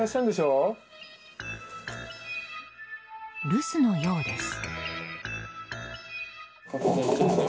留守のようです。